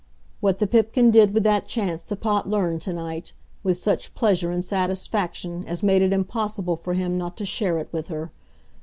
What the Pipkin did with that chance the Pot learned to night, with such pleasure and satisfaction as made it impossible for him not to share it with her.